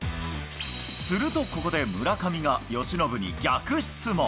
するとここで村上が由伸に逆質問。